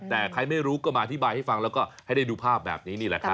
แต่ใครไม่รู้ก็มาอธิบายให้ฟังแล้วก็ให้ได้ดูภาพแบบนี้นี่แหละครับ